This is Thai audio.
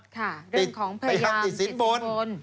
ค่ะเรื่องของพยานติดสินบน